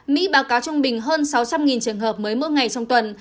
mỹ báo cáo trung bình hơn sáu trăm linh trường hợp mới mỗi ngày trong tuần